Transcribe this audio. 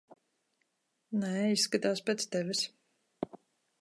Nē, izskatās pēc tevis.